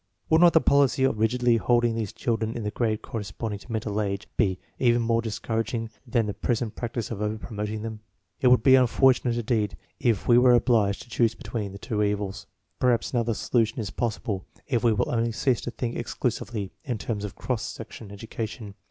Would not the policy of rigidly holding these children in the grade correspond ing to mental age be even more discouraging than the present practice of over promoting them? It would INDIVIDUAL DIFFERENCES 29 be unfortunate indeed if we were obliged to choose between the two evils. Perhaps another solution is possible if we will only cease to think exclusively in terms of cross section education.